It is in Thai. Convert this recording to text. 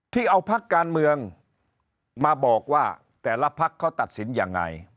ที่เอาพักการเมืองมาบอกว่าแต่ละพักเขาตัดสินยังไง